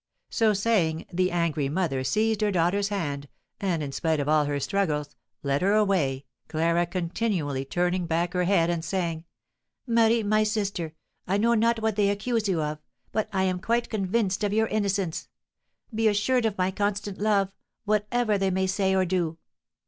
So saying, the angry mother seized her daughter's hand, and, spite of all her struggles, led her away, Clara continually turning back her head, and saying: "Marie, my sister, I know not what they accuse you of, but I am quite convinced of your innocence. Be assured of my constant love, whatever they may say or do."